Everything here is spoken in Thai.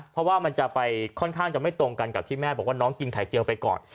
เพราะว่ามันจะไปค่อนข้างจะไม่ตรงกันกับที่แม่บอกว่าน้องกินไข่เจียวไปก่อน